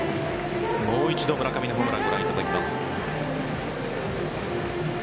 もう一度村上のホームランをご覧いただきます。